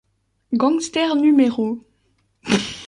Gangster No.